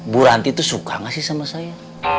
bu ranti tuh suka gak sih sama saya